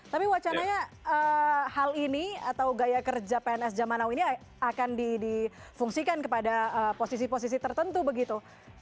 tapi wacananya hal ini atau gaya kerja pns zamanao ini akan difungsikan kepada posisi posisi tertentu begitu